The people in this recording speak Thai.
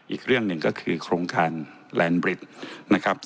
อีกเรื่องหนึ่งก็คือโครงการแลนด์บริดนะครับ